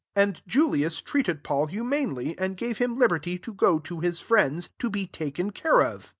And Julius treated Paul humanely, and gave Aim liberty to go to his triends, to be taken care of.